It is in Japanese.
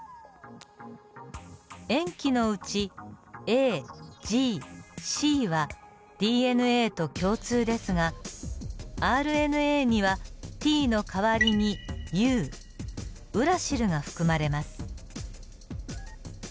塩基のうちＡＧＣはＤＮＡと共通ですがＲＮＡにはＴの代わりにＵウラシルが含まれます。